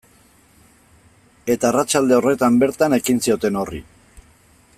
Eta arratsalde horretan bertan ekin zioten horri.